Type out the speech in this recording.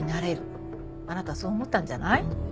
あなたそう思ったんじゃない？